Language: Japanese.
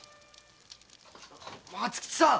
松吉さん